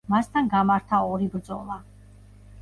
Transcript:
მასთან გამართა ორი ბრძოლა.